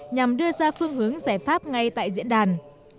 nhằm đưa ra phương hướng giải pháp ngay tại diễn đàn